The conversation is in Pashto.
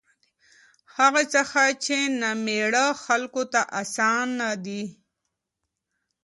هغه څخه چې نامېړه خلکو ته اسان دي